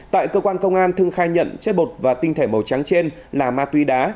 tại cơ quan công an thương khai nhận chất bột và tinh thể màu trắng trên là ma túy đá